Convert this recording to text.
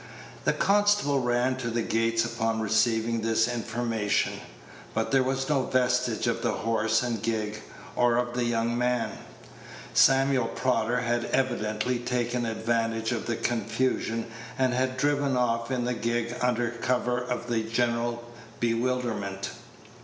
The constable ran to the gates upon receiving this information; but there was no vestige of the horse and gig, or of the young man. Samuel Prodder had evidently taken advantage of the confusion, and had driven off in the gig under cover of the general bewilderment.